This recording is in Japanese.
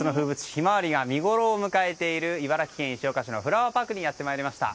ヒマワリが見ごろを迎えている茨城県石岡市のフラワーパークにやってまいりました。